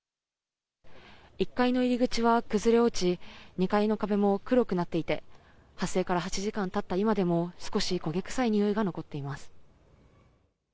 １階の入り口は崩れ落ち、２階の壁も黒くなっていて、発生から８時間たった今でも、少し焦げ臭いにおいが残っています。